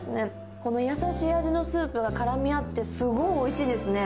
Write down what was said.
この優しい味のスープが絡み合って、すごいおいしいですね。